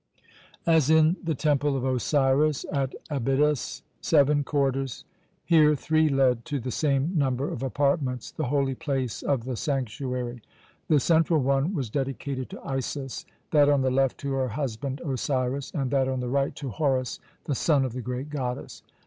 As in the Temple of Osiris at Abydos seven corridors, here three led to the same number of apartments, the holy place of the sanctuary. The central one was dedicated to Isis, that on the left to her husband Osiris, and that on the right to Horus, the son of the great goddess.